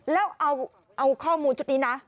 แล้วเอาข้อมูลชุดนี้นะ